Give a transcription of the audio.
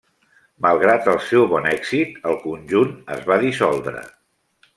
Malgrat el seu bon èxit, el conjunt es va dissoldre.